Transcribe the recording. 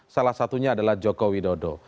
salah satunya adalah joko widodo